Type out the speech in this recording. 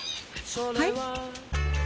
はい？